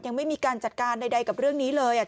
ยังไม่มีการจัดการใดกับเรื่องนี้เลย